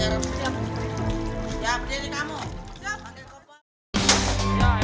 membuatkan ini cukup leuk keluar nicholas